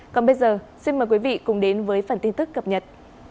còn bây giờ xin mời quý vị cùng đến với phần tin tức cập nhật